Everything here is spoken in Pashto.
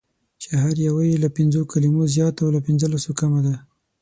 چې هره یوه یې له پنځو کلمو زیاته او له پنځلسو کلمو کمه ده: